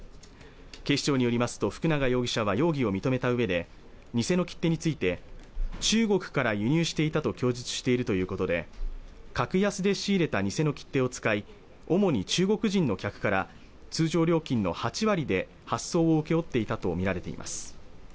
警視庁によりますと福永容疑者は容疑を認めた上で偽の切手について中国から輸入していたと供述しているということで格安で仕入れた偽の切手を使い主に中国人の客から通常料金の８割で発送を請け負っていたと見られています